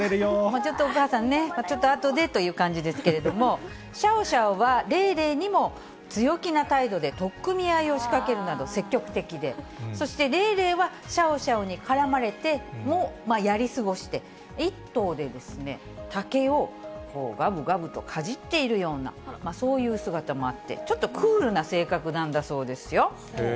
ちょっとお母さんね、ちょっとあとでという感じですけれども、シャオシャオはレイレイにも強気な態度で取っ組み合いを仕掛けるなど、積極的で、そしてレイレイは、シャオシャオに絡まれてもやり過ごして、１頭で竹をがぶがぶとかじっているような、そういう姿もあって、ちょっとクールな性格なんだそうですよ。